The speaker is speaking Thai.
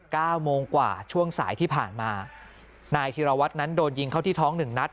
เก้าโมงกว่าช่วงสายที่ผ่านมานายธิรวัตรนั้นโดนยิงเข้าที่ท้องหนึ่งนัด